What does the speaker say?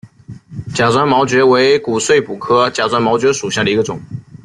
假钻毛蕨为骨碎补科假钻毛蕨属下的一个种。